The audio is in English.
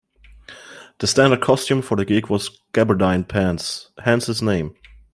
The standard costume for the gig was gabardine pants-hence his name.